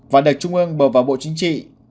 và được trung ương bầu vào bộ chính trị